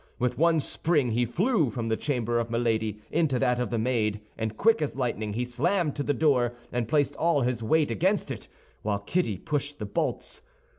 With one spring he flew from the chamber of Milady into that of the maid, and quick as lightning, he slammed to the door, and placed all his weight against it, while Kitty pushed the bolts.